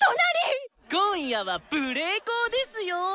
今夜は無礼講ですよ！